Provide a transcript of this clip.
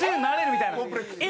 みたいな。